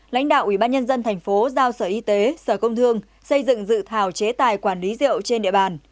lãnh đạo ubnd tp giao sở y tế sở công thương xây dựng dự thảo chế tài quản lý rượu trên địa bàn